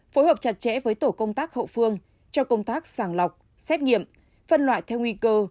phối hợp chặt chẽ với tổ công tác hậu phương cho công tác sàng lọc xét nghiệm phân loại theo nguy cơ